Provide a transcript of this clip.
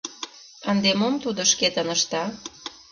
Ынде мом тудо шкетын ышта?